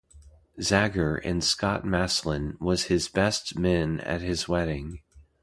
Zagger and Scott Maslen was his best men at his wedding.